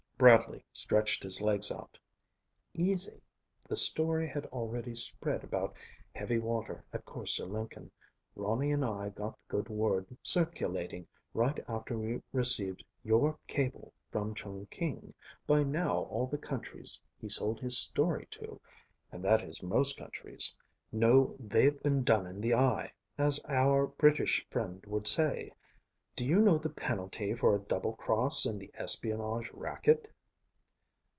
Bradley stretched his legs out. "Easy. The story had already spread about heavy water at Korse Lenken. Ronnie and I got the good word circulating right after we received your cable from Chungking. By now all the countries he sold his story to and that is most countries know they've been done in the eye, as our British friend would say. Do you know the penalty for a double cross in the espionage racket?"